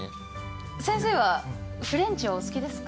先生はフレンチはお好きですか？